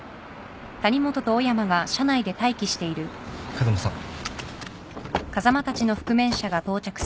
風間さん。